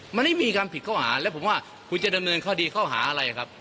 มันไม่มีความผิดข้อหาแล้วผมว่าคุณจะดำเนินคดีข้อหาอะไรครับ